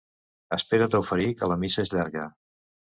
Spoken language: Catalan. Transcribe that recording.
Espera't a oferir, que la missa és llarga.